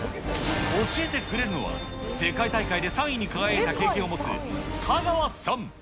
教えてくれるのは、世界大会で３位に輝いた経験を持つ加川さん。